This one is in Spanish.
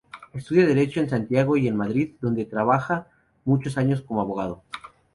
Estudia Derecho en Santiago y en Madrid, donde trabaja muchos años como abogado.